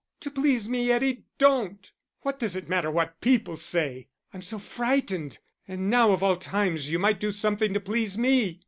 "To please me, Eddie, don't! What does it matter what people say? I'm so frightened. And now of all times you might do something to please me.